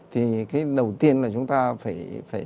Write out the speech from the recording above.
thì cái đầu tiên là chúng ta phải